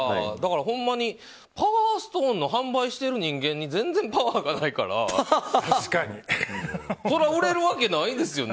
ほんまに、パワーストーンの販売している人間に全然パワーがないからそれは売れるわけないですよね。